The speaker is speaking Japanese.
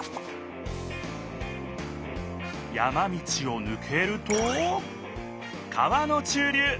山道をぬけると川の中流。